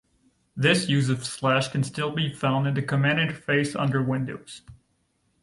This use of slash can still be found in the command interface under Windows.